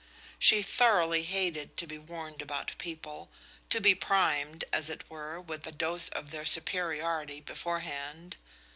She thoroughly hated to be warned about people, to be primed as it were with a dose of their superiority beforehand.